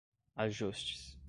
ajustes